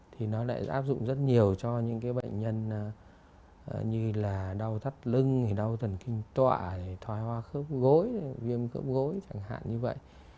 thì nó lại áp dụng rất nhiều cho những cái bệnh nhân như là đau thắt lưng đau tần kinh tọa thói hoa khớp gối viêm khớp gối chẳng hạn như vậy